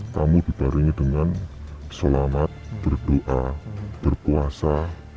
kamu dibaringi dengan selamat berdoa berpuasa